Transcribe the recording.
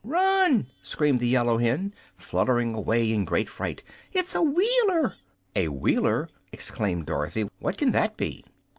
"Run!" screamed the yellow hen, fluttering away in great fright. "It's a Wheeler!" "A Wheeler?" exclaimed Dorothy. "What can that be?"